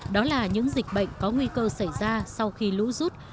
đó là những dịch bệnh có nguy cơ xảy ra sau khi lũ rút